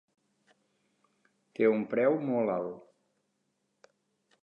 Té un preu molt alt.